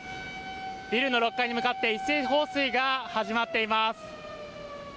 ビルの６階に向かって一斉放水が始まっています。